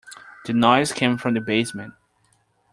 The noise came from the basement.